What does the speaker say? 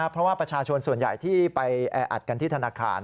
เพราะว่าประชาชนส่วนใหญ่ที่ไปแออัดกันที่ธนาคาร